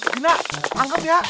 gina tangkep ya